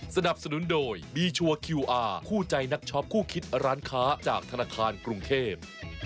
สนับสนุนโดยบีชัวร์คิวอาร์คู่ใจนักช็อปคู่คิดร้านค้าจากธนาคารกรุงเทพ